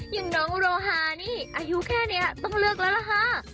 อย่างน้องโรฮานี่อายุแค่นี้ต้องเลือกแล้วล่ะค่ะ